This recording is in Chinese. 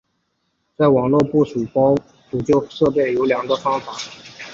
在网络上部署包捕获设备有两个方法。